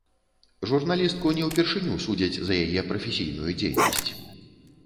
Журналістку не ўпершыню судзяць за яе прафесійную дзейнасць.